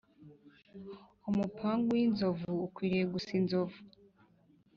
umupangu w’inzovu ukwiriye gusa inzovu.